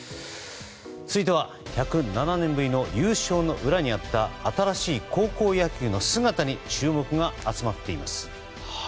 続いては１０７年ぶりの優勝の裏にあった新しい高校野球の姿に注目が集まっています。